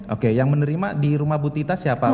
oke yang menerima di rumah butita siapa